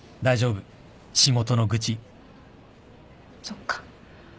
そっか。